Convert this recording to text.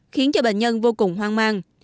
khiến cho bệnh nhân vô cùng hoang mang